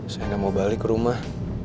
saya gak mau balik rumah